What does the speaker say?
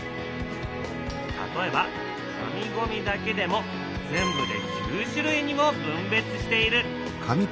例えば紙ゴミだけでも全部で９種類にも分別している。